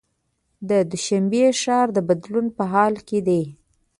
د دوشنبې ښار د بدلون په حال کې دی.